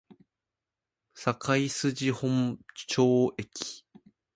堺筋本町駅